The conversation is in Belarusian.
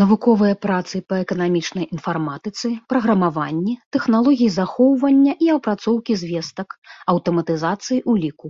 Навуковыя працы па эканамічнай інфарматыцы, праграмаванні, тэхналогіі захоўвання і апрацоўкі звестак, аўтаматызацыі ўліку.